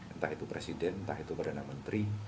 entah itu presiden entah itu perdana menteri